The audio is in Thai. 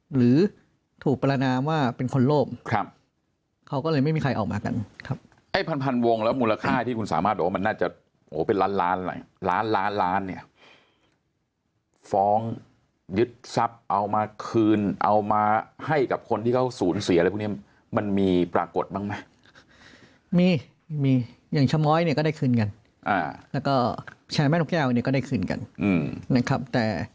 หรือถูกประนามว่าเป็นคนโล่งครับเขาก็เลยไม่มีใครออกมากันครับไอ้พันพันวงแล้วมูลค่าที่คุณสามารถบอกว่ามันน่าจะโหเป็นล้านล้านหลายล้านล้านล้านล้านเนี่ยฟ้องยึดทรัพย์เอามาคืนเอามาให้กับคนที่เขาสูญเสียอะไรพวกนี้มันมีปรากฏบ้างไหมมีมีอย่างชะม้อยเนี่ยก็ได้คืนกันอ่าแล้วก็แชร์แม่นกแก้ววันนี้ก็ได้คืนกันนะครับแต่